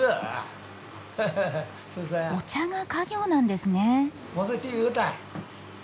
お茶が家業なんですね？